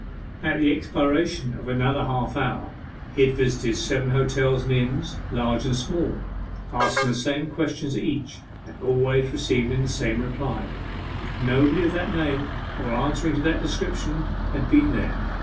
At the expiration of another half hour he had visited seven hotels and inns, large and small, asking the same questions at each, and always receiving the same reply nobody of that name, or answering to that description, had been there.